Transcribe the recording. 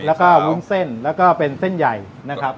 แล้วก็วุ้นเส้นแล้วก็เป็นเส้นใหญ่นะครับ